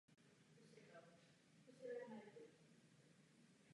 V závěru života trpěl nemocemi.